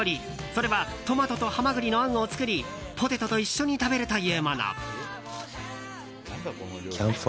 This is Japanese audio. それはトマトとハマグリのあんを作りポテトと一緒に食べるというもの。